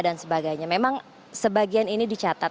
dan sebagainya memang sebagian ini dicatat